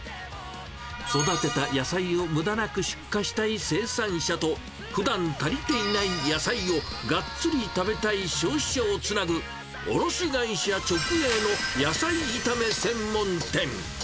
育てた野菜をむだなく出荷したい生産者と、ふだん足りていない野菜をがっつり食べたい消費者をつなぐ、卸会社直営の野菜炒め専門店。